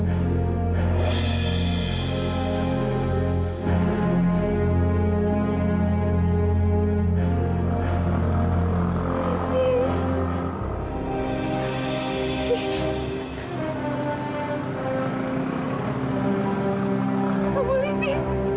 enggak kamu livi